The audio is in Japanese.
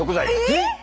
えっ！？